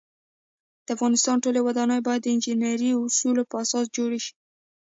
د افغانستان ټولی ودانۍ باید د انجنيري اوصولو په اساس جوړې شی